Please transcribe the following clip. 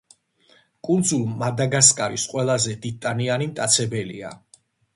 კუნძულ მადაგასკარის ყველაზე დიდტანიანი მტაცებელია.